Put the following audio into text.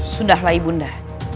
sudahlah ibu nda